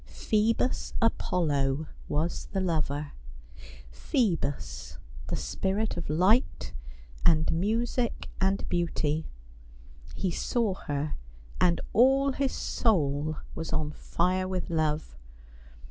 Phoebus Apollo was the lover. Phoebus, the spirit of light, and music, and beauty. He saw her, and all his soul was on fire with love.